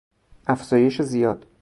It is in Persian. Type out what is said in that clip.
افزایش زیاد